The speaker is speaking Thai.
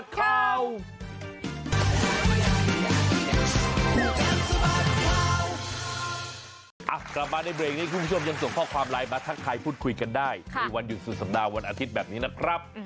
กลับมาในเบรกนี้คุณผู้ชมยังส่งข้อความไลน์มาทักทายพูดคุยกันได้ในวันหยุดสุดสัปดาห์วันอาทิตย์แบบนี้นะครับ